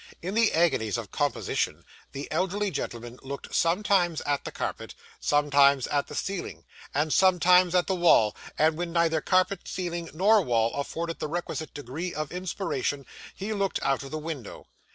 In the agonies of composition, the elderly gentleman looked sometimes at the carpet, sometimes at the ceiling, and sometimes at the wall; and when neither carpet, ceiling, nor wall afforded the requisite degree of inspiration, he looked out of the window.